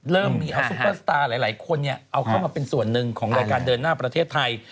เริ่มมีเอาซุปเปอร์สตาร์หลายคนเอาเข้ามาเป็นส่วนหนึ่งของรายการเดินหน้าประเทศไทย